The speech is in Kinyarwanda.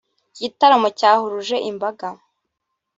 Iki gitaramo cyahuruje imbaga